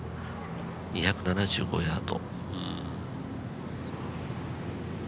２７５ヤード。